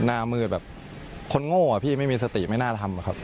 หน้ามืดแบบคนโง่อ่ะพี่ไม่มีสติไม่น่าทำอะครับ